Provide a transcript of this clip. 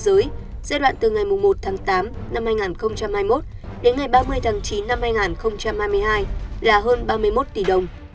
giai đoạn từ ngày một tháng tám năm hai nghìn hai mươi một đến ngày ba mươi tháng chín năm hai nghìn hai mươi hai là hơn ba mươi một tỷ đồng